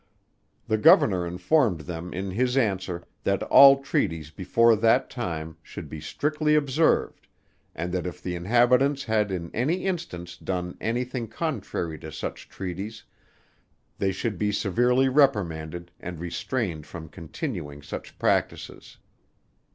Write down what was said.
The Governor informed them in his answer, that all treaties before that time, should be strictly observed, and that if the inhabitants had in any instance, done anything contrary to such treaties, they should be severely reprimanded and restrained from continuing such practices.